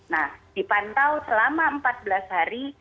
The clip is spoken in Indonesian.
nah dipantau selama empat belas hari